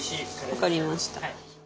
分かりました。